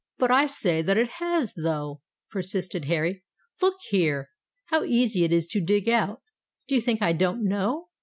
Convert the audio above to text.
"But I say that it has, though," persisted Harry. "Look here—how easy it is to dig out! Do you think I don't know?"